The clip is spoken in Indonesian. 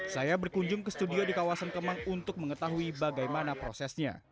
saya berkunjung ke studio di kawasan kemang untuk mengetahui bagaimana prosesnya